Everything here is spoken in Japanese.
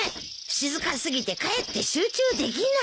静か過ぎてかえって集中できない。